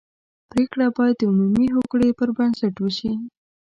پرېکړه باید د عمومي هوکړې پر بنسټ وشي.